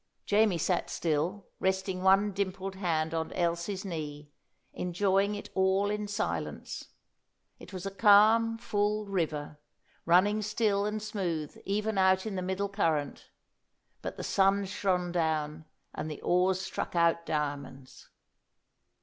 Jamie sat still, resting one dimpled hand on Elsie's knee, enjoying it all in silence. It was a calm, full river, running still and smooth even out in the middle current, but the sun shone down, and the oars struck out diamonds.